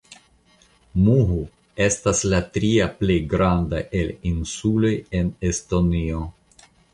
Muhu estas la tria plej granda el insuloj en Estonio.